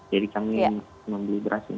jadi kami membeli beras